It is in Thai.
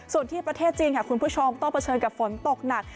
ส่วนที่ประเทศจีนค่ะคุณผู้ชมต้องเผชิญกับฝนตกหนัก